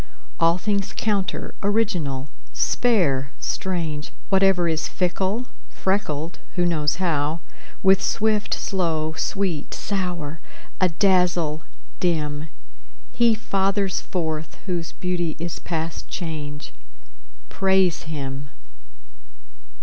All things counter, original, spare, strange, Whatever is fickle, freckled (who knows how?) With swift, slow; sweet, sour; adazzle, dim. He fathers forth whose beauty is past change; Praise him.